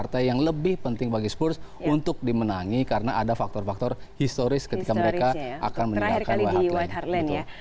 partai yang lebih penting bagi spurs untuk dimenangi karena ada faktor faktor historis ketika mereka akan meninggalkan whatline